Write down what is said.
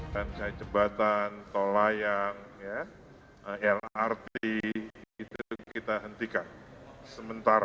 dan kecebatan tol layang lrt itu kita hentikan sementara